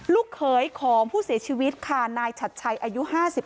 ลูกเขยของผู้เสียชีวิตค่ะนายชัดชัยอายุ๕๓